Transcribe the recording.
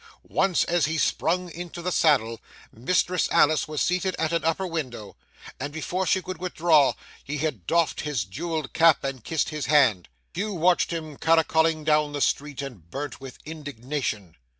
Once as he sprung into the saddle Mistress Alice was seated at an upper window, and before she could withdraw he had doffed his jewelled cap and kissed his hand. Hugh watched him caracoling down the street, and burnt with indignation.